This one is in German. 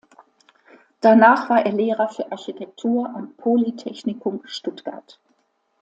Danach war er Lehrer für Architektur am Polytechnikum Stuttgart.